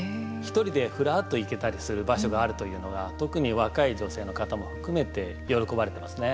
１人でふらーっと行けたりする場所があるというのが特に若い女性の方も含めて喜ばれてますね。